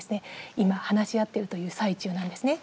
今、話し合ってるという最中なんですね。